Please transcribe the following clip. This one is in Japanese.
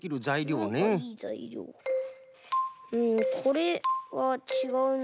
うんこれはちがうな。